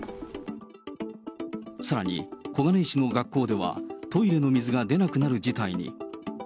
さらに、小金井市の学校では、トイレの水が出なくなる事態に。